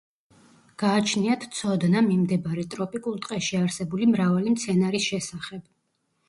გააჩნიათ ცოდნა მიმდებარე ტროპიკულ ტყეში არსებული მრავალი მცენარის შესახებ.